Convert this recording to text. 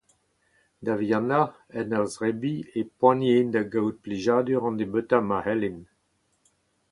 Da vihanañ, en ur zebriñ, e poaniin da gaout plijadur an nebeutañ ma c’hellin.